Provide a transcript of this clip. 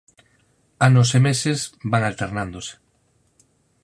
Anos e meses van alternándose.